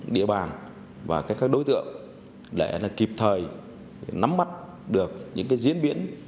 địa bàn và các đối tượng để kịp thời nắm mắt được những diễn biến